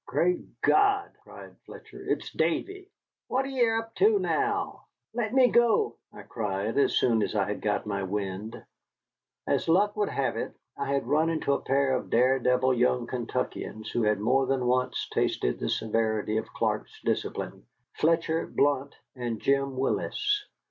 "Great God!" cried Fletcher, "it's Davy. What are ye up to now?" "Let me go!" I cried, as soon as I had got my wind. As luck would have it, I had run into a pair of daredevil young Kentuckians who had more than once tasted the severity of Clark's discipline, Fletcher Blount and Jim Willis.